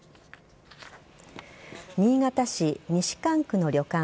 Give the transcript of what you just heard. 新潟市西蒲区の旅館